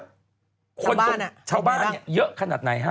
ชาวบ้านอะชาวบ้านเยอะขนาดไหนฮะ